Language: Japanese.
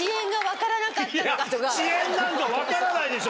遅延なんか分からないでしょ